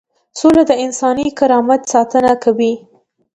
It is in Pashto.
سوله د انساني کرامت ساتنه کوي.